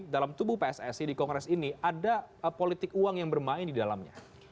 dalam tubuh pssi di kongres ini ada politik uang yang bermain di dalamnya